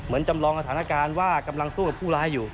จำลองสถานการณ์ว่ากำลังสู้กับผู้ร้ายอยู่